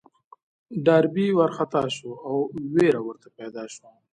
ډاربي وارخطا شو او وېره ورته پيدا شوه.